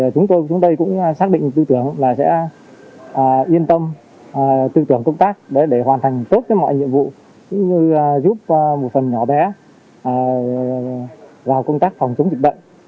chúng tôi cũng xác định tư tưởng là sẽ yên tâm tư tưởng công tác để hoàn thành tốt mọi nhiệm vụ cũng như giúp một phần nhỏ bé vào công tác phòng chống dịch bệnh